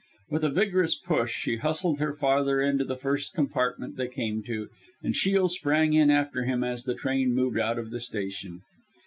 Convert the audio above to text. With a vigorous push she hustled her father into the first compartment they came to, and Shiel sprang in after him as the train moved out of the station.